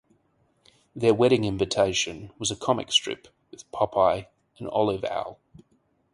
Their wedding invitation was a comic strip with Popeye and Olive Oyl.